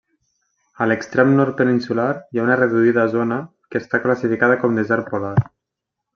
A l'extrem nord peninsular hi ha una reduïda zona que està classificada com desert polar.